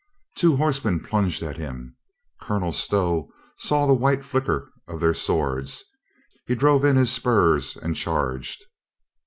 Two horsemen plunged at him. Colonel Stow saw the white flicker of their swords. He drove in his spurs and charged.